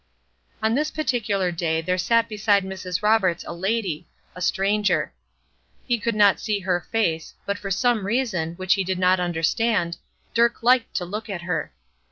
On this particular day there sat beside Mrs. Roberts a lady, a stranger. He could not see her face, but for some reason, which he did not understand, Dirk liked to look at her.